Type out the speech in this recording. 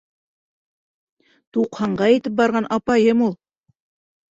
Туҡһанға етеп барған апайым ул.